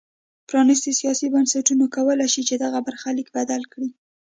پرانیستي سیاسي بنسټونه کولای شي چې دغه برخلیک بدل کړي.